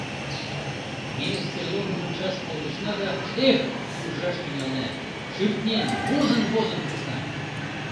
Ме стрелокым ончал колтышна да — эх! куржаш тӱҥална: шӱртнен возын-возын куржна.